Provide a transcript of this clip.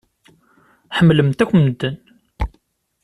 Ḥemmlemt akk medden.